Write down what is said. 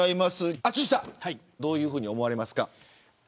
淳さんどういうふうに思われますか。